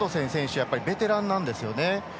やっぱりベテランなんですよね。